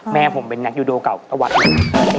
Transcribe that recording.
แม่ผมเป็นนักยูโดเก่าตะวัดตะวัดพี่